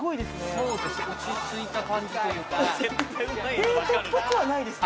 そうです